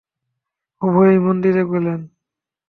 উভয়ে মন্দিরে গেলেন।